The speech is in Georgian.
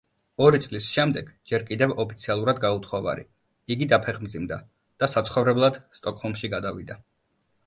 ორი წლის შემდეგ ჯერ კიდევ ოფიციალურად გაუთხოვარი, იგი დაფეხმძიმდა და საცხოვრებლად სტოკჰოლმში გადავიდა.